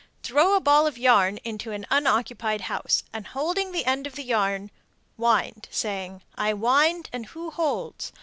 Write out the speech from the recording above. Throw a ball of yarn into an unoccupied house, and holding the end of the yarn, wind, saying, "I wind and who holds?"